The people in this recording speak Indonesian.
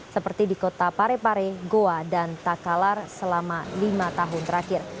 seperti di kota parepare goa dan takalar selama lima tahun terakhir